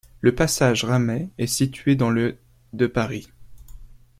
Le passage Ramey est situé dans le de Paris.